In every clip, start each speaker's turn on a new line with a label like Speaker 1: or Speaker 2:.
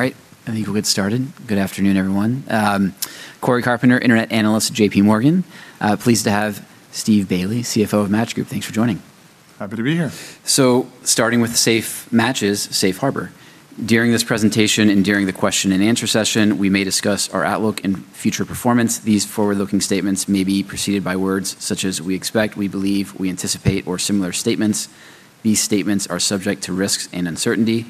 Speaker 1: All right, I think we'll get started. Good afternoon, everyone. Cory Carpenter, internet analyst at JPMorgan. Pleased to have Steven Bailey, CFO of Match Group. Thanks for joining.
Speaker 2: Happy to be here.
Speaker 1: Starting with safe matches, safe harbor. During this presentation and during the question and answer session, we may discuss our outlook and future performance. These forward-looking statements may be preceded by words such as we expect, we believe, we anticipate, or similar statements. These statements are subject to risks and uncertainties,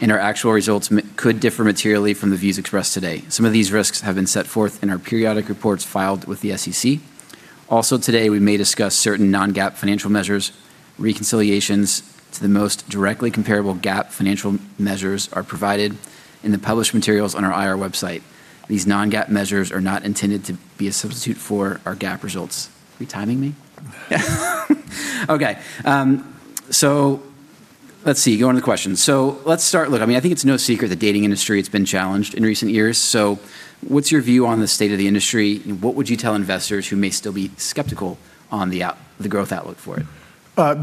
Speaker 1: and our actual results could differ materially from the views expressed today. Some of these risks have been set forth in our periodic reports filed with the SEC. Today, we may discuss certain non-GAAP financial measures. Reconciliations to the most directly comparable GAAP financial measures are provided in the published materials on our IR website. These non-GAAP measures are not intended to be a substitute for our GAAP results. Are we timing me? Okay. Let's see. Go on to the questions. Let's start Look, I mean, I think it's no secret the dating industry, it's been challenged in recent years. What's your view on the state of the industry? What would you tell investors who may still be skeptical on the growth outlook for it?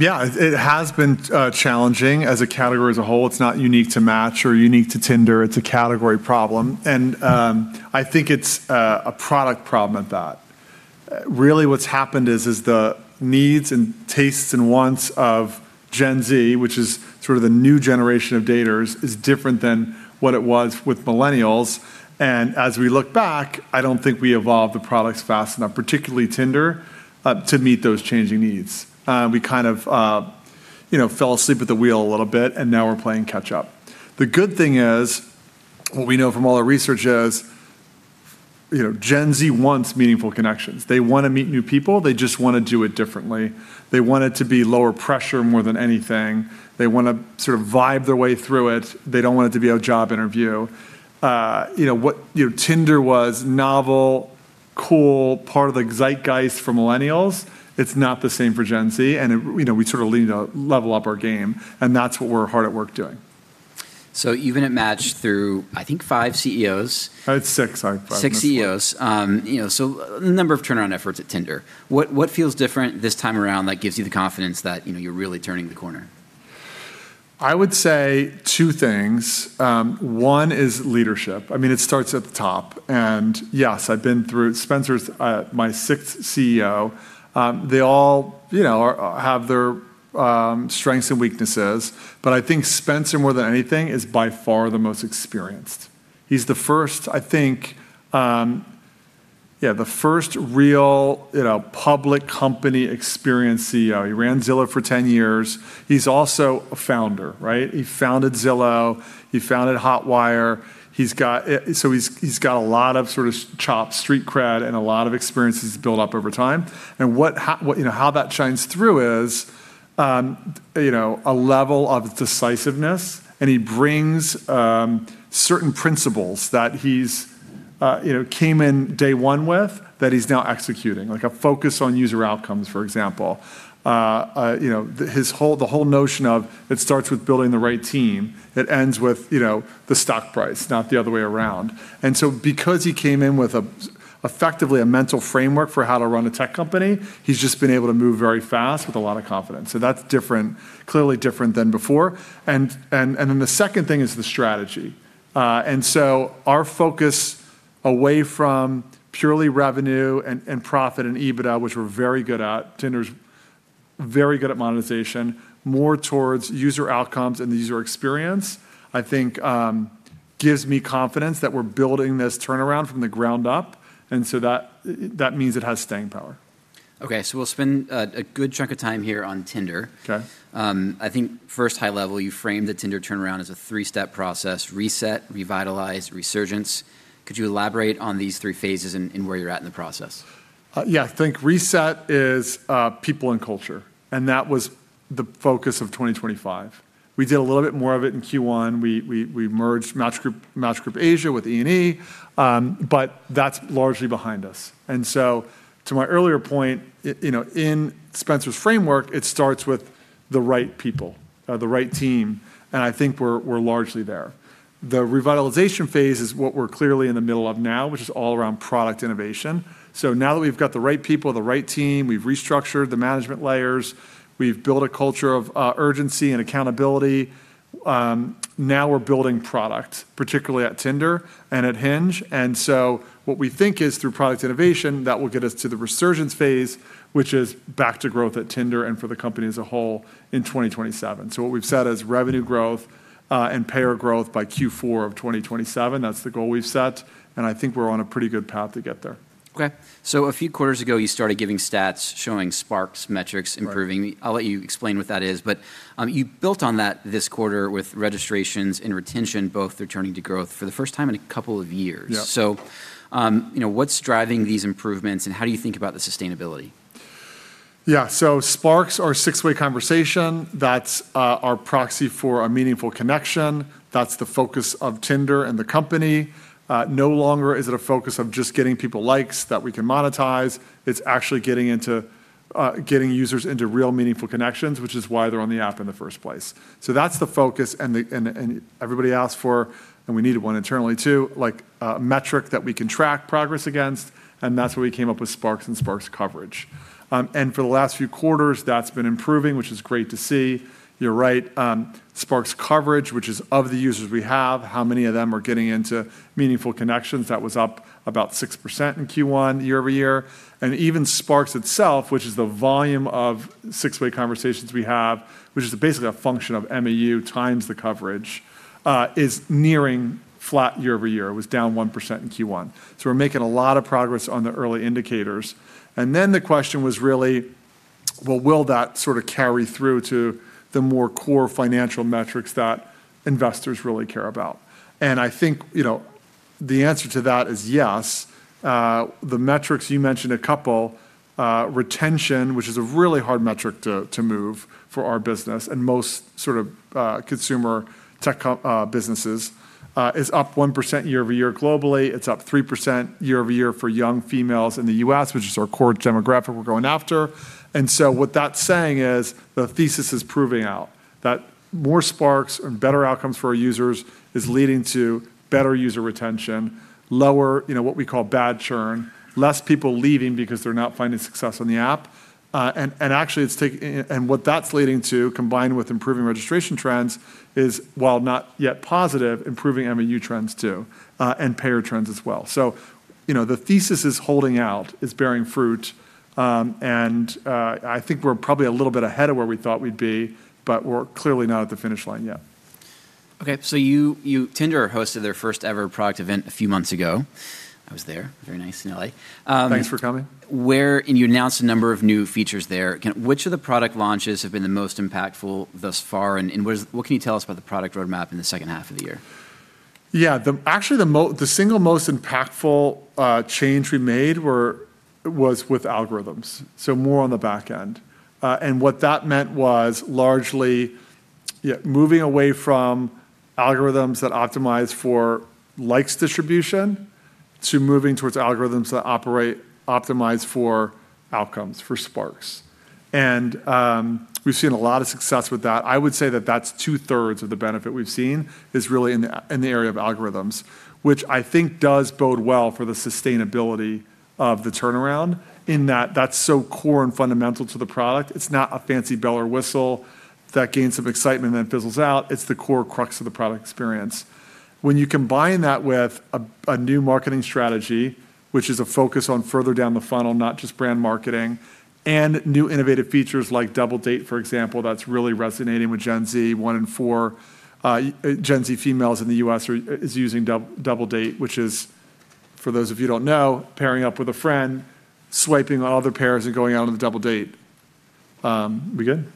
Speaker 2: Yeah, it has been challenging as a category as a whole. It's not unique to Match or unique to Tinder. It's a category problem. I think it's a product problem at that. Really what's happened is, the needs and tastes and wants of Gen Z, which is sort of the new generation of daters, is different than what it was with millennials. As we look back, I don't think we evolved the products fast enough, particularly Tinder, to meet those changing needs. We kind of, you know, fell asleep at the wheel a little bit, and now we're playing catch up. The good thing is, what we know from all our research is, you know, Gen Z wants meaningful connections. They wanna meet new people. They just wanna do it differently. They want it to be lower pressure more than anything. They wanna sort of vibe their way through it. They don't want it to be a job interview. You know, Tinder was novel, cool, part of the zeitgeist for Millennials. It's not the same for Gen Z, and, you know, we sort of need to level up our game, and that's what we're hard at work doing.
Speaker 1: You've been at Match through, I think, five CEOs.
Speaker 2: It's six.
Speaker 1: Six CEOs. you know, a number of turnaround efforts at Tinder. What feels different this time around that gives you the confidence that, you know, you're really turning the corner?
Speaker 2: I would say two things. One is leadership. I mean, it starts at the top. Yes, I've been through Spencer, my sixth CEO. They all, you know, have their strengths and weaknesses. I think Spencer, more than anything, is by far the most experienced. He's the first, I think, the first real, you know, public company experienced CEO. He ran Zillow for 10 years. He's also a founder, right? He founded Zillow. He founded Hotwire. He's got a lot of sort of chops, street cred and a lot of experiences built up over time. How that shines through is, you know, a level of decisiveness. He brings, certain principles that he's, you know, came in day one with that he's now executing, like a focus on user outcomes, for example. You know, the whole notion of it starts with building the right team. It ends with, you know, the stock price, not the other way around. Because he came in with effectively a mental framework for how to run a tech company, he's just been able to move very fast with a lot of confidence. That's different, clearly different than before. The second thing is the strategy. Our focus away from purely revenue and profit and EBITDA, which we're very good at, Tinder's very good at monetization, more towards user outcomes and the user experience, I think, gives me confidence that we're building this turnaround from the ground up. That means it has staying power.
Speaker 1: Okay, we'll spend a good chunk of time here on Tinder.
Speaker 2: Okay.
Speaker 1: I think first high level, you framed the Tinder turnaround as a three step process: reset, revitalize, resurgence. Could you elaborate on these three phases and where you're at in the process?
Speaker 2: Yeah. I think reset is people and culture, and that was the focus of 2025. We did a little bit more of it in Q1. We merged Match Group, Match Group Asia with Eureka, but that's largely behind us. To my earlier point, you know, in Spencer's framework, it starts with the right people, the right team, and I think we're largely there. The revitalization phase is what we're clearly in the middle of now, which is all around product innovation. Now that we've got the right people, the right team, we've restructured the management layers, we've built a culture of urgency and accountability, now we're building product, particularly at Tinder and at Hinge. What we think is through product innovation, that will get us to the resurgence phase, which is back to growth at Tinder and for the company as a whole in 2027. What we've set as revenue growth and payer growth by Q4 of 2027. That's the goal we've set, and I think we're on a pretty good path to get there.
Speaker 1: Okay. A few quarters ago, you started giving stats showing Sparks, metrics improving.
Speaker 2: Right.
Speaker 1: I'll let you explain what that is. You built on that this quarter with registrations and retention both returning to growth for the first time in a couple of years.
Speaker 2: Yep.
Speaker 1: You know, what's driving these improvements, and how do you think about the sustainability?
Speaker 2: Yeah. Sparks are a six-way conversation. That's our proxy for a meaningful connection. That's the focus of Tinder and the company. No longer is it a focus of just getting people likes that we can monetize. It's actually getting users into real meaningful connections, which is why they're on the app in the first place. That's the focus and everybody asked for, and we needed one internally too, like a metric that we can track progress against, and that's where we came up with Sparks and Sparks Coverage. For the last few quarters, that's been improving, which is great to see. You're right. Sparks Coverage, which is of the users we have, how many of them are getting into meaningful connections, that was up about 6% in Q1 year-over-year. Even Sparks itself, which is the volume of six-way conversations we have, which is basically a function of MAU times the coverage, is nearing flat year-over-year. It was down 1% in Q1. We're making a lot of progress on the early indicators. The question was really, well, will that sort of carry through to the more core financial metrics that investors really care about? I think, you know, the answer to that is yes. The metrics, you mentioned a couple, retention, which is a really hard metric to move for our business and most sort of consumer tech businesses, is up 1% year-over-year globally. It's up 3% year-over-year for young females in the U.S., which is our core demographic we're going after. What that's saying is the thesis is proving out that more Sparks and better outcomes for our users is leading to better user retention, lower, you know, what we call bad churn, less people leaving because they're not finding success on the app. Actually it's taking and what that's leading to, combined with improving registration trends, is, while not yet positive, improving MAU trends too, and payer trends as well. You know, the thesis is holding out, it's bearing fruit, and I think we're probably a little bit ahead of where we thought we'd be, but we're clearly not at the finish line yet.
Speaker 1: Tinder hosted their first ever product event a few months ago. I was there. Very nice in L.A.
Speaker 2: Thanks for coming.
Speaker 1: You announced a number of new features there. Which of the product launches have been the most impactful thus far? What can you tell us about the product roadmap in the second half of the year?
Speaker 2: Yeah. Actually the single most impactful change we made was with algorithms, so more on the back end. What that meant was largely, yeah, moving away from algorithms that optimize for likes distribution to moving towards algorithms that optimize for outcomes, for Sparks. We've seen a lot of success with that. I would say that that's two-thirds of the benefit we've seen is really in the area of algorithms, which I think does bode well for the sustainability of the turnaround in that that's so core and fundamental to the product. It's not a fancy bell or whistle that gains some excitement then fizzles out. It's the core crux of the product experience. When you combine that with a new marketing strategy, which is a focus on further down the funnel, not just brand marketing, and new innovative features like Double Date, for example, that's really resonating with Gen Z. One in four Gen Z females in the U.S. is using Double Date, which is, for those of you who don't know, pairing up with a friend, swiping on other pairs, and going out on a double date. We good?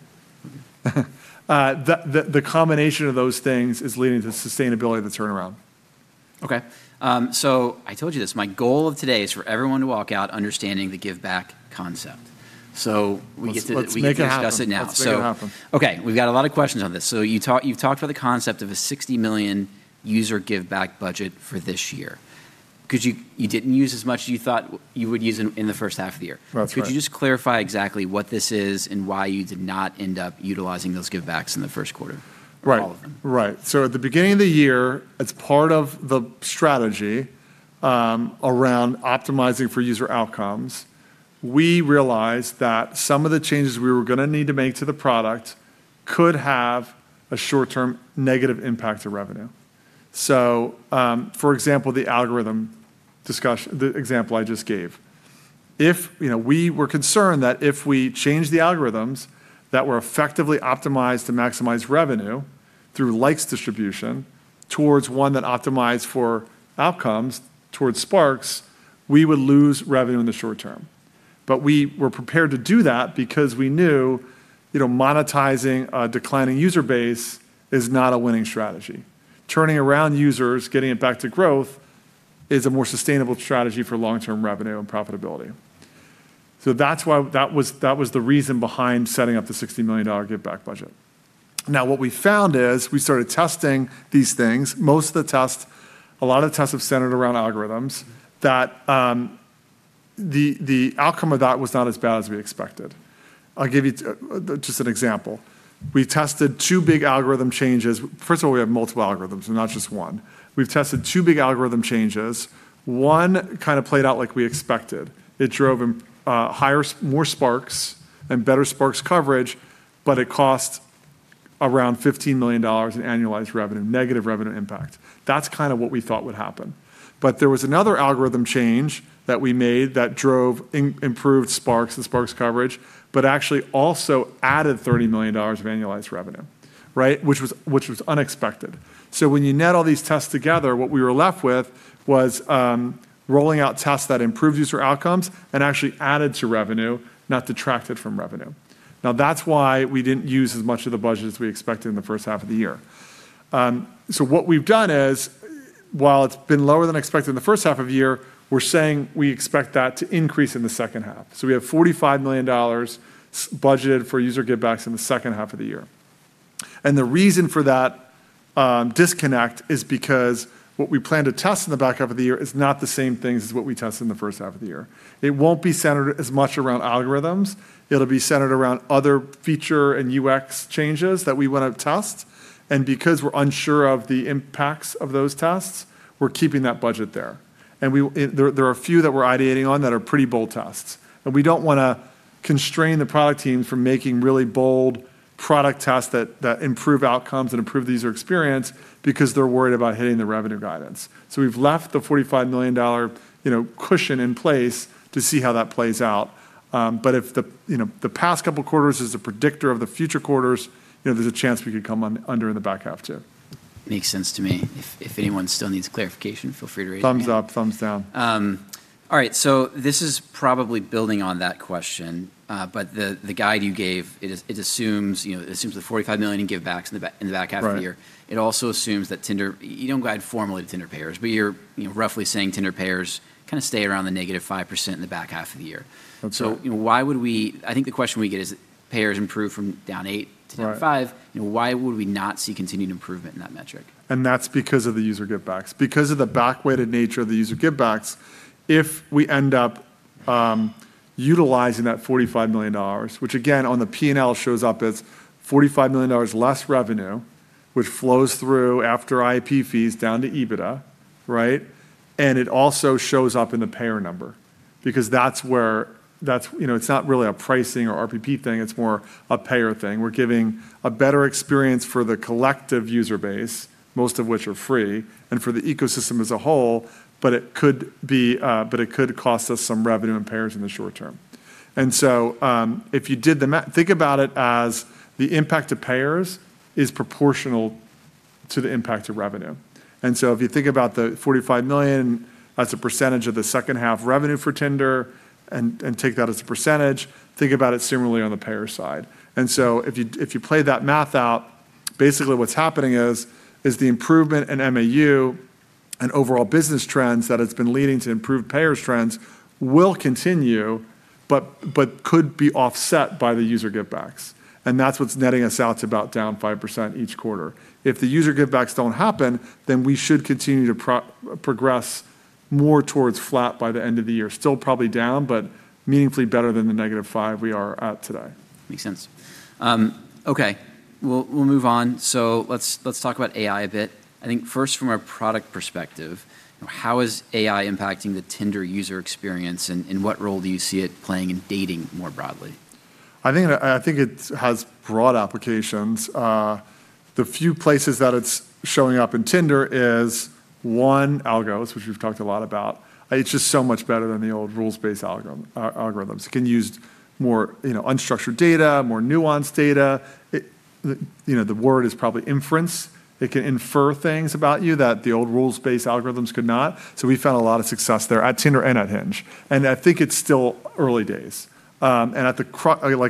Speaker 2: The combination of those things is leading to sustainability of the turnaround.
Speaker 1: Okay. I told you this. My goal of today is for everyone to walk out understanding the give back concept.
Speaker 2: Let's make it happen.
Speaker 1: We can discuss it now.
Speaker 2: Let's make it happen.
Speaker 1: Okay, we've got a lot of questions on this. You've talked about the concept of a 60 million user give back budget for this year. You didn't use as much as you thought you would use in the first half of the year?
Speaker 2: That's correct.
Speaker 1: Could you just clarify exactly what this is and why you did not end up utilizing those give backs in the first quarter?
Speaker 2: Right.
Speaker 1: All of them.
Speaker 2: Right. At the beginning of the year, as part of the strategy, around optimizing for user outcomes, we realized that some of the changes we were gonna need to make to the product could have a short-term negative impact to revenue. For example, the example I just gave. If, you know, we were concerned that if we changed the algorithms that were effectively optimized to maximize revenue through likes distribution towards one that optimized for outcomes towards Sparks, we would lose revenue in the short term. We were prepared to do that because we knew, you know, monetizing a declining user base is not a winning strategy. Turning around users, getting it back to growth is a more sustainable strategy for long-term revenue and profitability. That was the reason behind setting up the $60 million give back budget. What we found is we started testing these things. A lot of the tests have centered around algorithms that the outcome of that was not as bad as we expected. I'll give you just an example. We tested two big algorithm changes. First of all, we have multiple algorithms and not just one. We've tested two big algorithm changes. One kinda played out like we expected. It drove more Sparks and better Sparks Coverage, but it cost around $15 million in annualized revenue, negative revenue impact. That's kinda what we thought would happen. There was another algorithm change that we made that drove improved Sparks and Sparks Coverage, but actually also added $30 million of annualized revenue, right? Which was unexpected. When you net all these tests together, what we were left with was rolling out tests that improved user outcomes and actually added to revenue, not detracted from revenue. Now, that's why we didn't use as much of the budget as we expected in the first half of the year. What we've done is, while it's been lower than expected in the first half of the year, we're saying we expect that to increase in the second half. We have $45 million budgeted for user give backs in the second half of the year. The reason for that disconnect is because what we plan to test in the back half of the year is not the same things as what we test in the first half of the year. It won't be centered as much around algorithms. It'll be centered around other feature and UX changes that we wanna test. Because we're unsure of the impacts of those tests, we're keeping that budget there. There are a few that we're ideating on that are pretty bold tests. We don't wanna constrain the product team from making really bold product tests that improve outcomes and improve the user experience because they're worried about hitting the revenue guidance. We've left the $45 million, you know, cushion in place to see how that plays out. If the, you know, the past couple of quarters is a predictor of the future quarters, you know, there's a chance we could come under in the back half too.
Speaker 1: Makes sense to me. If anyone still needs clarification, feel free to raise your hand.
Speaker 2: Thumbs up, thumbs down.
Speaker 1: All right, this is probably building on that question. The guide you gave, it assumes, you know, the $45 million in givebacks in the back half of the year.
Speaker 2: Right.
Speaker 1: It also assumes that Tinder You don't guide formally with Tinder payers, but you're, you know, roughly saying Tinder payers kinda stay around the negative 5% in the back half of the year.
Speaker 2: That's right.
Speaker 1: you know, I think the question we get is if payers improve from down eight to down five.
Speaker 2: Right
Speaker 1: You know, why would we not see continued improvement in that metric?
Speaker 2: That's because of the user givebacks. Because of the back-weighted nature of the user givebacks, if we end up utilizing that $45 million, which again, on the P&L shows up as $45 million less revenue, which flows through after IAP fees down to EBITDA, right? It also shows up in the payer number because that's, you know, it's not really a pricing or RPP thing, it's more a payer thing. We're giving a better experience for the collective user base, most of which are free, and for the ecosystem as a whole, but it could cost us some revenue in payers in the short term. If you did Think about it as the impact to payers is proportional to the impact to revenue. If you think about the $45 million as a percentage of the second half revenue for Tinder, and take that as a percentage, think about it similarly on the payer side. If you, if you play that math out, basically what's happening is the improvement in MAU and overall business trends that has been leading to improved payers trends will continue, but could be offset by the user givebacks. That's what's netting us out to about down 5% each quarter. If the user givebacks don't happen, then we should continue to progress more towards flat by the end of the year. Still probably down, but meaningfully better than the -5% we are at today.
Speaker 1: Makes sense. Okay. We'll move on. Let's talk about AI a bit. I think first from a product perspective, you know, how is AI impacting the Tinder user experience, and what role do you see it playing in dating more broadly?
Speaker 2: I think it has broad applications. The few places that it's showing up in Tinder is one, algos, which we've talked a lot about. It's just so much better than the old rules-based algorithms. It can use more, you know, unstructured data, more nuanced data. The, you know, the word is probably inference. It can infer things about you that the old rules-based algorithms could not. We found a lot of success there at Tinder and at Hinge. I think it's still early days. Like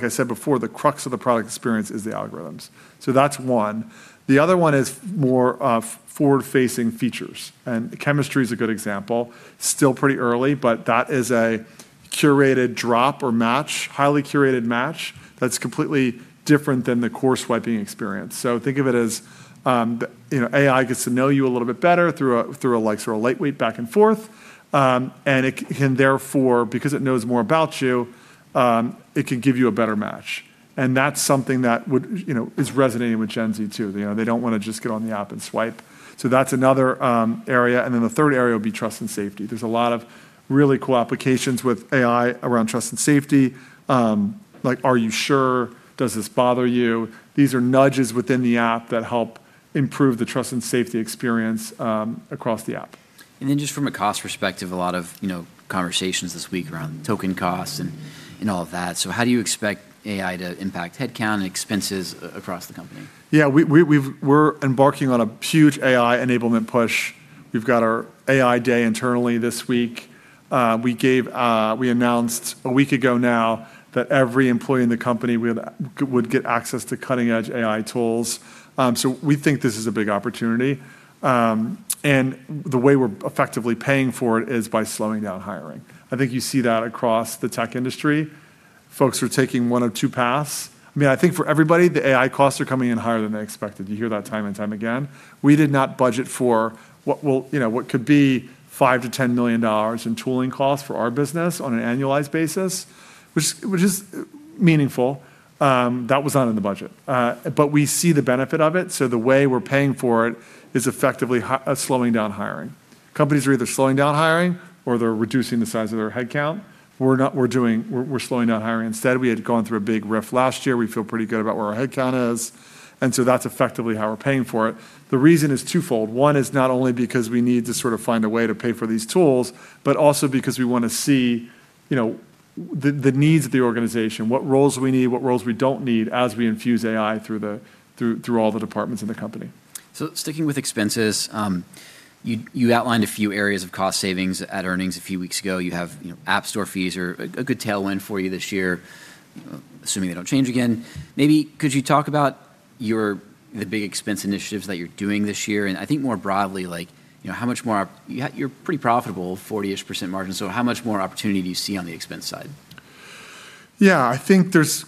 Speaker 2: I said before, the crux of the product experience is the algorithms. That's one. The other one is more of forward-facing features. Chemistry is a good example. Still pretty early, that is a curated drop or match, highly curated match, that's completely different than the core swiping experience. Think of it as, you know, AI gets to know you a little bit better through a, through a like sort of lightweight back and forth. It can therefore, because it knows more about you, it can give you a better match. That's something that would, you know, is resonating with Gen Z too. You know, they don't wanna just get on the app and swipe. That's another area. Then the third area would be trust and safety. There's a lot of really cool applications with AI around trust and safety. Like, are you sure? Does this bother you? These are nudges within the app that help improve the trust and safety experience across the app.
Speaker 1: Just from a cost perspective, a lot of, you know, conversations this week around token costs and all of that. How do you expect AI to impact headcount and expenses across the company?
Speaker 2: Yeah. We're embarking on a huge AI enablement push. We've got our AI day internally this week. We gave, we announced a week ago now that every employee in the company would get access to cutting-edge AI tools. We think this is a big opportunity. The way we're effectively paying for it is by slowing down hiring. I think you see that across the tech industry. Folks are taking one of two paths. I mean, I think for everybody, the AI costs are coming in higher than they expected. You hear that time and time again. We did not budget for what will, you know, what could be $5 million-$10 million in tooling costs for our business on an annualized basis, which is meaningful. That was not in the budget. We see the benefit of it. The way we're paying for it is effectively slowing down hiring. Companies are either slowing down hiring or they're reducing the size of their headcount. We're slowing down hiring instead. We had gone through a big riff last year. We feel pretty good about where our headcount is. That's effectively how we're paying for it. The reason is twofold. One is not only because we need to sort of find a way to pay for these tools, also because we wanna see, you know, the needs of the organization, what roles we need, what roles we don't need, as we infuse AI through all the departments in the company.
Speaker 1: Sticking with expenses, you outlined a few areas of cost savings at earnings a few weeks ago. You have, you know, App Store fees are a good tailwind for you this year, assuming they don't change again. Maybe could you talk about the big expense initiatives that you're doing this year? I think more broadly, like, you know, how much more You're pretty profitable, 40-ish% margin. How much more opportunity do you see on the expense side?
Speaker 2: I think there's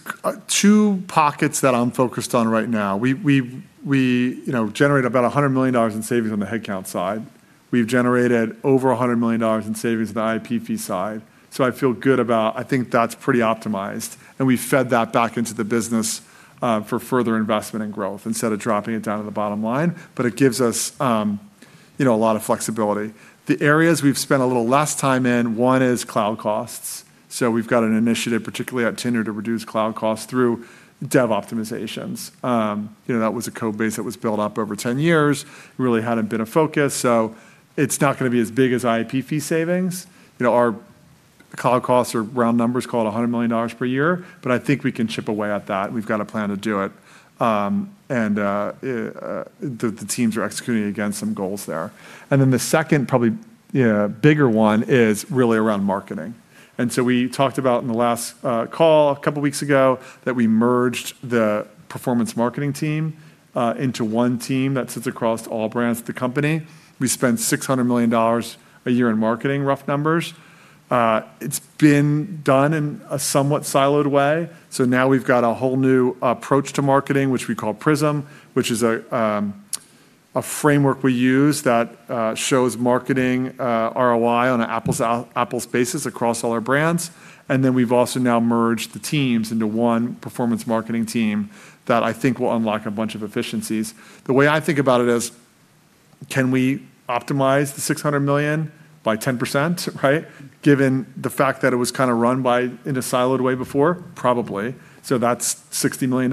Speaker 2: two pockets that I'm focused on right now. We, you know, generate about $100 million in savings on the headcount side. We've generated over $100 million in savings on the IPP side. I feel good about I think that's pretty optimized, and we fed that back into the business for further investment and growth instead of dropping it down to the bottom line. It gives us, you know, a lot of flexibility. The areas we've spent a little less time in, one is cloud costs. We've got an initiative, particularly at Tinder, to reduce cloud costs through dev optimizations. You know, that was a code base that was built up over 10 years. Really hadn't been a focus. It's not gonna be as big as IPP savings. You know, our cloud costs are round numbers, call it $100 million per year. I think we can chip away at that, and we've got a plan to do it. The teams are executing against some goals there. The second, probably, you know, bigger one is really around marketing. We talked about in the last call a couple weeks ago that we merged the performance marketing team into one team that sits across all brands at the company. We spend $600 million a year in marketing, rough numbers. It's been done in a somewhat siloed way. Now we've got a whole new approach to marketing, which we call Prism, which is a framework we use that shows marketing ROI on an apples-to-apples basis across all our brands. We've also now merged the teams into one performance marketing team that I think will unlock a bunch of efficiencies. The way I think about it is, can we optimize the $600 million by 10%, right? Given the fact that it was kinda run by in a siloed way before, probably. That's $60 million.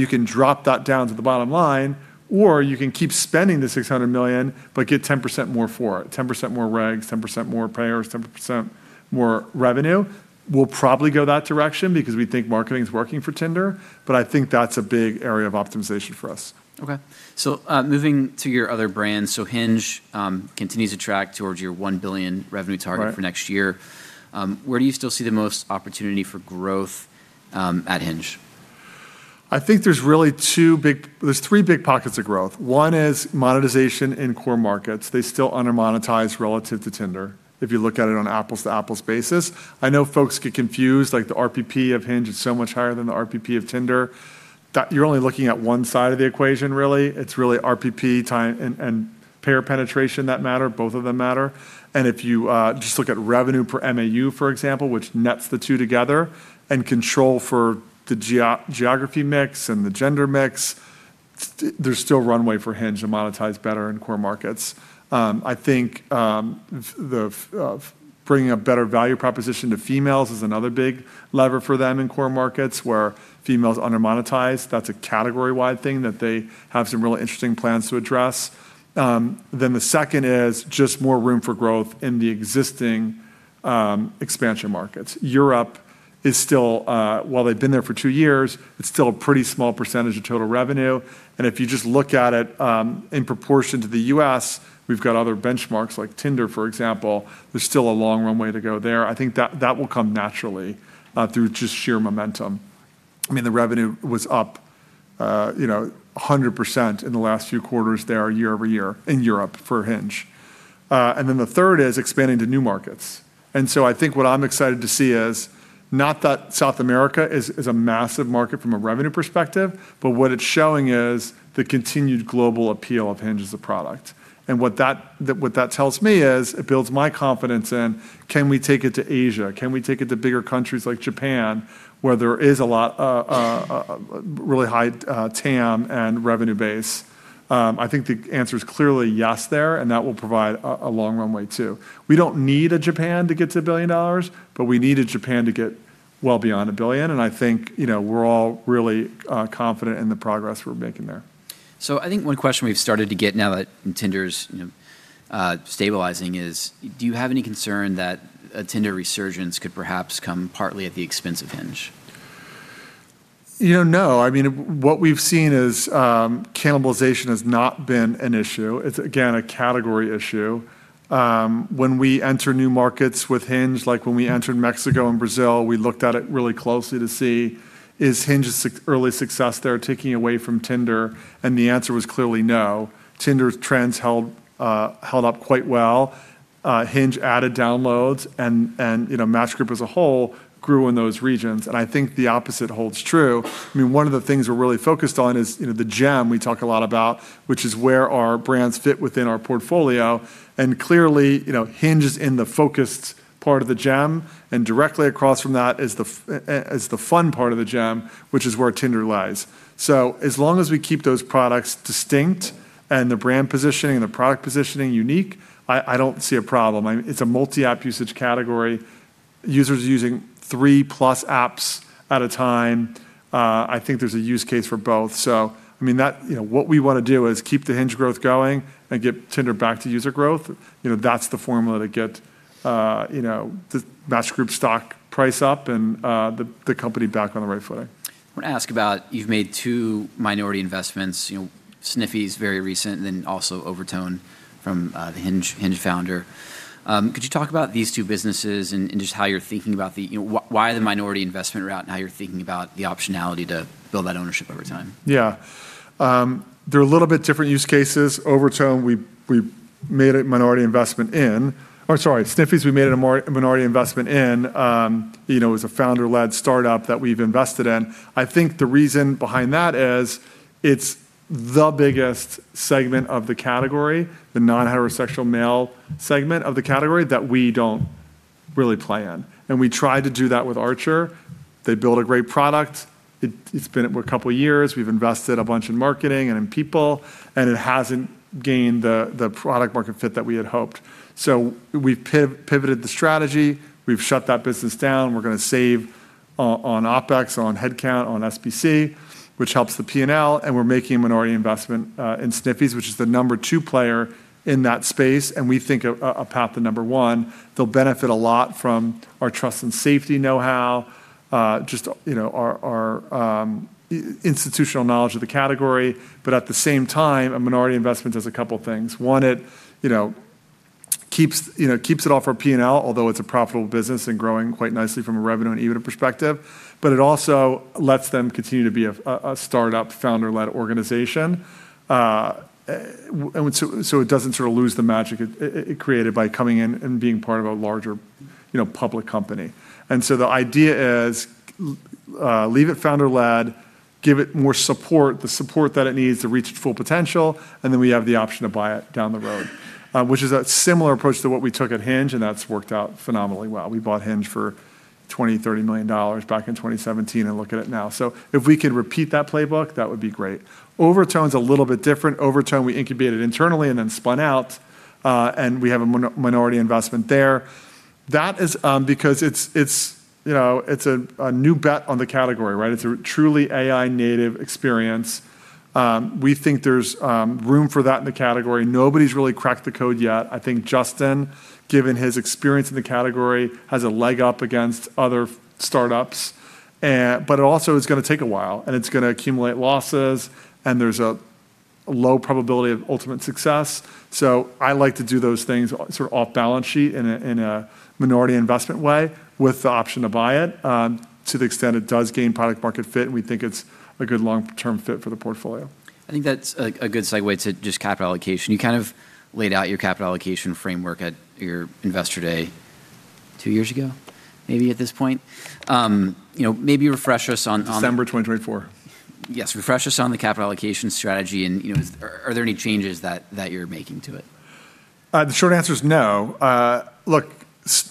Speaker 2: You can drop that down to the bottom line, or you can keep spending the $600 million, but get 10% more for it. 10% more regs, 10% more payers, 10% more revenue. We'll probably go that direction because we think marketing is working for Tinder, but I think that's a big area of optimization for us.
Speaker 1: Okay. Moving to your other brands. Hinge continues to track towards your $1 billion revenue target.
Speaker 2: Right
Speaker 1: for next year. Where do you still see the most opportunity for growth at Hinge?
Speaker 2: I think there's really three big pockets of growth. One is monetization in core markets. They still under-monetize relative to Tinder if you look at it on an apples-to-apples basis. I know folks get confused, like the RPP of Hinge is so much higher than the RPP of Tinder. You're only looking at one side of the equation, really. It's really RPP and payer penetration that matter. Both of them matter. If you just look at revenue per MAU, for example, which nets the two together, and control for the geography mix and the gender mix, there's still runway for Hinge to monetize better in core markets. I think the bringing a better value proposition to females is another big lever for them in core markets where females under-monetize. That's a category-wide thing that they have some really interesting plans to address. Then the second is just more room for growth in the existing expansion markets. Europe is still, while they've been there for two years, it's still a pretty small percentage of total revenue. If you just look at it in proportion to the U.S., we've got other benchmarks like Tinder, for example. There's still a long runway to go there. I think that will come naturally through just sheer momentum. I mean, the revenue was up 100% in the last few quarters there year-over-year in Europe for Hinge. Then the third is expanding to new markets. I think what I'm excited to see is not that South America is a massive market from a revenue perspective, but what it's showing is the continued global appeal of Hinge as a product. What that tells me is, it builds my confidence in can we take it to Asia? Can we take it to bigger countries like Japan, where there is a lot, really high TAM and revenue base? I think the answer is clearly yes there, and that will provide a long runway too. We don't need a Japan to get to $1 billion, but we need a Japan to get well beyond $1 billion. I think, you know, we're all really confident in the progress we're making there.
Speaker 1: I think one question we've started to get now that Tinder's, you know, stabilizing is, do you have any concern that a Tinder resurgence could perhaps come partly at the expense of Hinge?
Speaker 2: You know, no. I mean, what we've seen is, cannibalization has not been an issue. It's, again, a category issue. When we enter new markets with Hinge, like when we entered Mexico and Brazil, we looked at it really closely to see is Hinge's early success there taking away from Tinder? The answer was clearly no. Tinder trends held up quite well. Hinge added downloads and, you know, Match Group as a whole grew in those regions. I think the opposite holds true. I mean, one of the things we're really focused on is, you know, the gem we talk a lot about, which is where our brands fit within our portfolio. Clearly, you know, Hinge is in the focused part of the gem. Directly across from that is the fun part of the gem, which is where Tinder lies. As long as we keep those products distinct and the brand positioning and the product positioning unique, I don't see a problem. It's a multi-app usage category. Users are using three-plus apps at a time. I think there's a use case for both. I mean, that You know, what we wanna do is keep the Hinge growth going and get Tinder back to user growth. You know, that's the formula to get, you know, the Match Group stock price up and the company back on the right footing.
Speaker 1: I wanna ask about you've made two minority investments. You know, Sniffies is very recent and then also Overtone from the Hinge founder. Could you talk about these two businesses and just how you're thinking about the You know, why the minority investment route and how you're thinking about the optionality to build that ownership over time?
Speaker 2: Yeah. They're a little bit different use cases. Sniffies we made a minority investment in, you know, as a founder-led startup that we've invested in. I think the reason behind that is it's the biggest segment of the category, the non-heterosexual male segment of the category, that we don't really play in. We tried to do that with Archer. They built a great product. It's been a couple of years. We've invested a bunch in marketing and in people, and it hasn't gained the product-market fit that we had hoped. We've pivoted the strategy. We've shut that business down. We're gonna save on OpEx, on headcount, on SBC, which helps the P&L, and we're making a minority investment in Sniffies, which is the number two player in that space, and we think a path to number one. They'll benefit a lot from our trust and safety know-how, just, you know, our institutional knowledge of the category. At the same time, a minority investment does two things. One, it, you know, keeps it off our P&L, although it's a profitable business and growing quite nicely from a revenue and EBITDA perspective. It also lets them continue to be a startup founder-led organization. It doesn't sort of lose the magic it created by coming in and being part of a larger, you know, public company. The idea is, leave it founder-led, give it more support, the support that it needs to reach its full potential, and then we have the option to buy it down the road. Which is a similar approach to what we took at Hinge, and that's worked out phenomenally well. We bought Hinge for $20 million-$30 million back in 2017, and look at it now. If we could repeat that playbook, that would be great. Overtone's a little bit different. Overtone we incubated internally and then spun out, and we have a minority investment there. That is, because it's, you know, a new bet on the category, right? It's a truly AI native experience. We think there's room for that in the category. Nobody's really cracked the code yet. I think Justin, given his experience in the category, has a leg up against other startups. It also is gonna take a while, and it's gonna accumulate losses, and there's a low probability of ultimate success. I like to do those things sort of off-balance sheet in a, in a minority investment way with the option to buy it to the extent it does gain product market fit, and we think it's a good long-term fit for the portfolio.
Speaker 1: I think that's a good segue to just capital allocation. You kind of laid out your capital allocation framework at your investor day two years ago, maybe at this point. You know, maybe refresh us.
Speaker 2: December 2024.
Speaker 1: Yes. Refresh us on the capital allocation strategy and, you know, Are there any changes that you're making to it?
Speaker 2: The short answer is no. Look,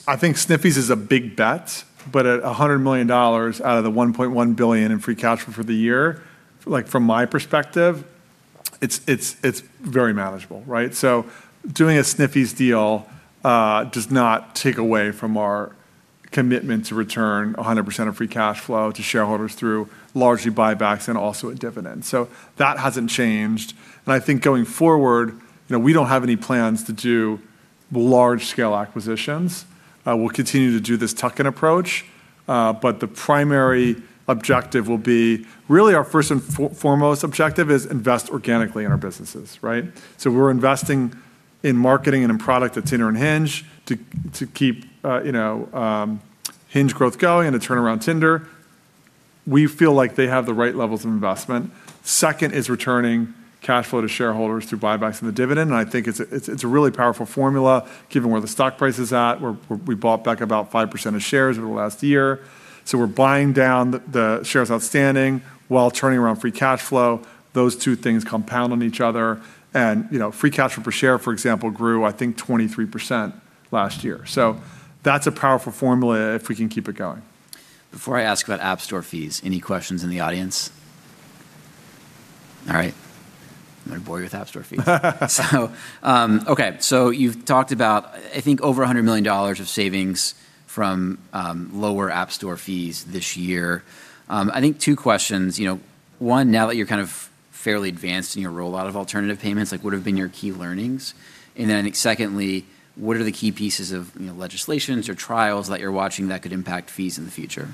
Speaker 2: I think Sniffies is a big bet, but at $100 million out of the $1.1 billion in free cash flow for the year, like from my perspective, it's, it's very manageable, right. Doing a Sniffies deal does not take away from our commitment to return 100% of free cash flow to shareholders through largely buybacks and also a dividend. That hasn't changed. I think going forward, you know, we don't have any plans to do large-scale acquisitions. We'll continue to do this tuck-in approach. The primary objective will be Really our first and foremost objective is invest organically in our businesses, right. We're investing in marketing and in product at Tinder and Hinge to keep, you know, Hinge growth going and to turn around Tinder. We feel like they have the right levels of investment. Second is returning cash flow to shareholders through buybacks and the dividend, and I think it's a really powerful formula given where the stock price is at. We bought back about 5% of shares over the last year. We're buying down the shares outstanding while turning around free cash flow. Those two things compound on each other and, you know, free cash flow per share, for example, grew, I think, 23% last year. That's a powerful formula if we can keep it going.
Speaker 1: Before I ask about App Store fees, any questions in the audience? All right. I'm gonna bore you with App Store fees. Okay. You've talked about, I think, over $100 million of savings from lower App Store fees this year. I think two questions. You know, one, now that you're kind of fairly advanced in your rollout of alternative payments, like what have been your key learnings? I think secondly, what are the key pieces of, you know, legislations or trials that you're watching that could impact fees in the future?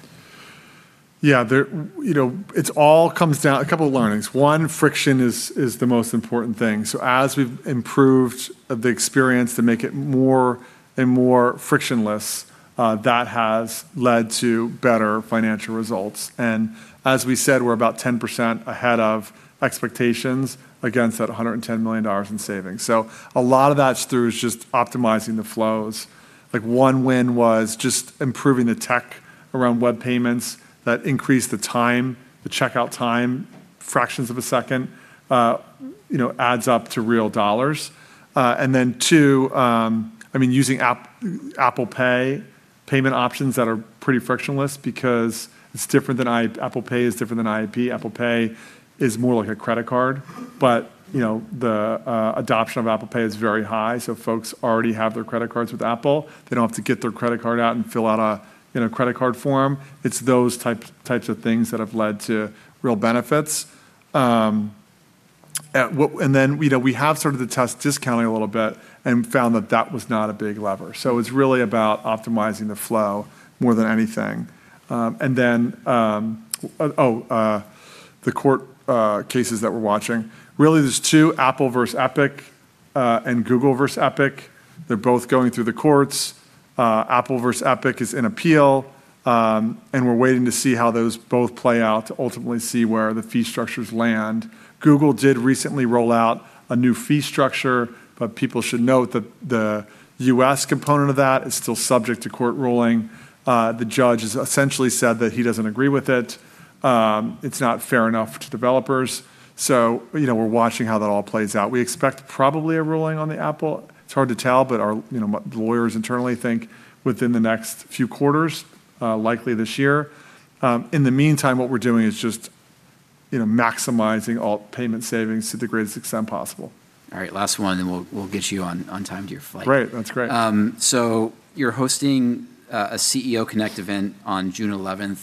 Speaker 2: Yeah. You know, it's all comes down a couple of learnings. One, friction is the most important thing. As we've improved the experience to make it more and more frictionless, that has led to better financial results. As we said, we're about 10% ahead of expectations against that $110 million in savings. A lot of that's through is just optimizing the flows. Like one win was just improving the tech around web payments that increased the time, the checkout time, fractions of a second, you know, adds up to real dollars. Then two, I mean, using Apple Pay payment options that are pretty frictionless because it's different than Apple Pay is different than IAP. Apple Pay is more like a credit card. You know, the adoption of Apple Pay is very high, so folks already have their credit cards with Apple. They don't have to get their credit card out and fill out a, you know, credit card form. It's those types of things that have led to real benefits. You know, we have sort of the test discounting a little bit and found that that was not a big lever. It's really about optimizing the flow more than anything. The court cases that we're watching. Really there's two, Apple versus Epic, and Google versus Epic. They're both going through the courts. Apple versus Epic is in appeal, and we're waiting to see how those both play out to ultimately see where the fee structures land. Google did recently roll out a new fee structure. People should note that the U.S. component of that is still subject to court ruling. The judge has essentially said that he doesn't agree with it. It's not fair enough to developers. You know, we're watching how that all plays out. We expect probably a ruling on the Apple. It's hard to tell. Our, you know, the lawyers internally think within the next few quarters, likely this year. In the meantime, what we're doing is just, you know, maximizing all payment savings to the greatest extent possible.
Speaker 1: All right. Last one, then we'll get you on time to your flight.
Speaker 2: Great. That's great.
Speaker 1: You're hosting a CEO Connect event on June 11th. I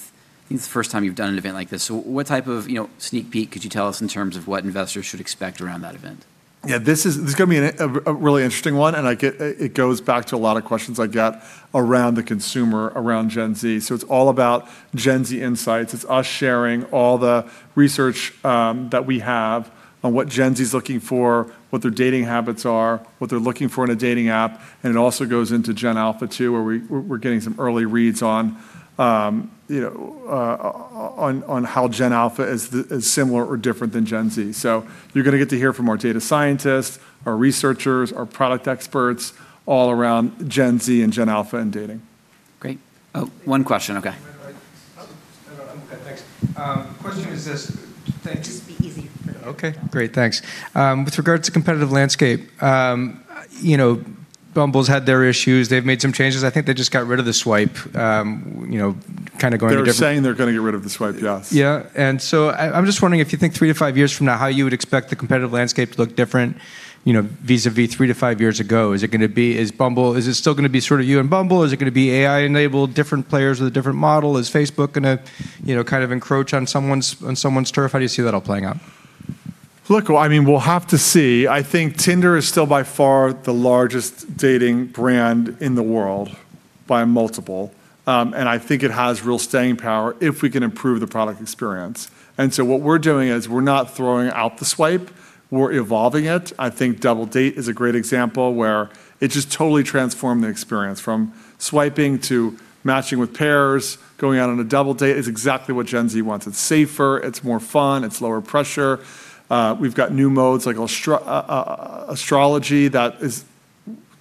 Speaker 1: think it's the first time you've done an event like this. What type of, you know, sneak peek could you tell us in terms of what investors should expect around that event?
Speaker 2: Yeah, this is gonna be a really interesting one. I get. It goes back to a lot of questions I get around the consumer, around Gen Z. It's all about Gen Z insights. It's us sharing all the research that we have on what Gen Z's looking for, what their dating habits are, what they're looking for in a dating app, and it also goes into Gen Alpha too, where we're getting some early reads on, you know, on how Gen Alpha is similar or different than Gen Z. You're gonna get to hear from our data scientists, our researchers, our product experts all around Gen Z and Gen Alpha and dating.
Speaker 1: Great. Oh, one question. Okay.
Speaker 3: Thanks. Question is this. Thanks. Just be easy. Okay. Great. Thanks. With regards to competitive landscape, you know, Bumble's had their issues. They've made some changes. I think they just got rid of the swipe.
Speaker 2: They're saying they're gonna get rid of the swipe, yes.
Speaker 3: Yeah. I'm just wondering if you think three to five years from now, how you would expect the competitive landscape to look different, you know, vis-a-vis three to five years ago. Is it still gonna be sort of you and Bumble? Is it gonna be AI-enabled, different players with a different model? Is Facebook gonna, you know, kind of encroach on someone's turf? How do you see that all playing out?
Speaker 2: Look, well, I mean, we'll have to see. I think Tinder is still by far the largest dating brand in the world by a multiple. I think it has real staying power if we can improve the product experience. What we're doing is we're not throwing out the swipe. We're evolving it. I think Double Date is a great example where it just totally transformed the experience from swiping to matching with pairs, going out on a double date. It's exactly what Gen Z wants. It's safer. It's more fun. It's lower pressure. We've got new modes like astrology that is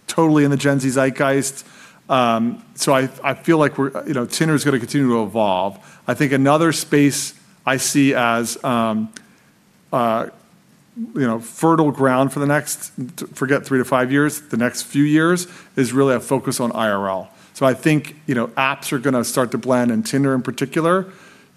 Speaker 2: totally in the Gen Z zeitgeist. I feel like we're You know, Tinder's gonna continue to evolve. I think another space I see as, you know, fertile ground for the next, forget three to five years, the next few years, is really a focus on IRL. I think, you know, apps are gonna start to blend, and Tinder in particular,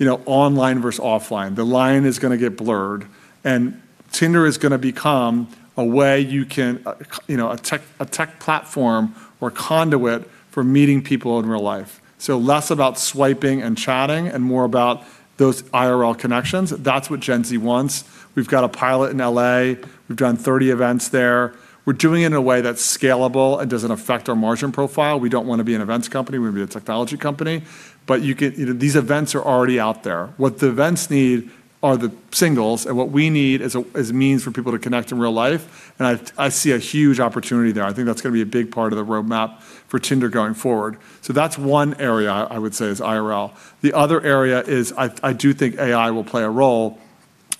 Speaker 2: you know, online versus offline. The line is gonna get blurred, Tinder is gonna become a way you can, you know, a tech platform or conduit for meeting people in real life. Less about swiping and chatting and more about those IRL connections. That's what Gen Z wants. We've got a pilot in L.A. We've done 30 events there. We're doing it in a way that's scalable and doesn't affect our margin profile. We don't wanna be an events company. We wanna be a technology company. You know, these events are already out there. What the events need are the singles, what we need is a means for people to connect in real life, I see a huge opportunity there. I think that's gonna be a big part of the roadmap for Tinder going forward. That's one area I would say is IRL. The other area is I do think AI will play a role.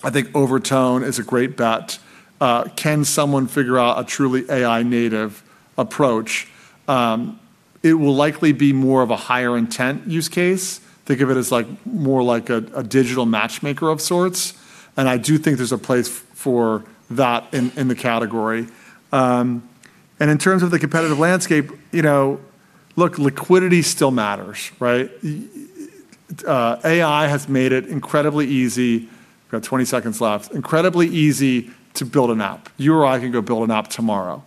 Speaker 2: I think Overtone is a great bet. Can someone figure out a truly AI-native approach? It will likely be more of a higher intent use case. Think of it as, like, more like a digital matchmaker of sorts, I do think there's a place for that in the category. In terms of the competitive landscape, you know, look, liquidity still matters, right? AI has made it incredibly easy, got 20 seconds left, incredibly easy to build an app. You or I can go build an app tomorrow.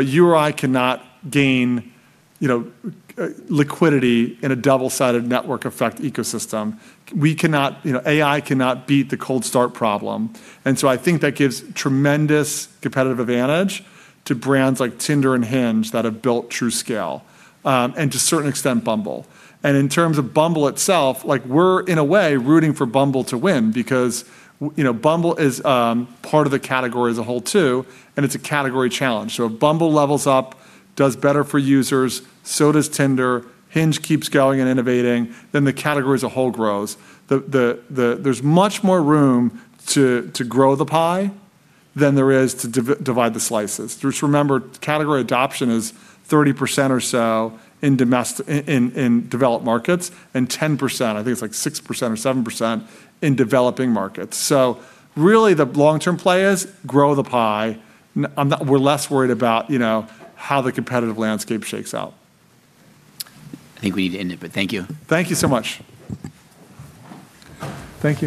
Speaker 2: You or I cannot gain, you know, liquidity in a double-sided network effect ecosystem. You know, AI cannot beat the cold start problem. I think that gives tremendous competitive advantage to brands like Tinder and Hinge that have built true scale, and to a certain extent, Bumble. In terms of Bumble itself, like, we're, in a way, rooting for Bumble to win because you know, Bumble is part of the category as a whole too, and it's a category challenge. If Bumble levels up, does better for users, so does Tinder, Hinge keeps going and innovating, the category as a whole grows. There's much more room to grow the pie than there is to divide the slices. Just remember, category adoption is 30% or so in developed markets, and 10%, I think it's like 6% or 7%, in developing markets. Really the long-term play is grow the pie. I'm not We're less worried about, you know, how the competitive landscape shakes out.
Speaker 1: I think we need to end it, but thank you.
Speaker 2: Thank you so much. Thank you.